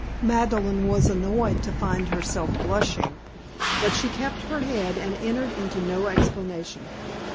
Madeleine was annoyed to find herself blushing, but she kept her head and entered into no explanation.